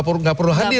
tidak perlu hadir